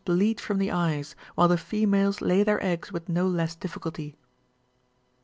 5^9 bleed from the eyes, while the females lay their eggs with no less difficulty.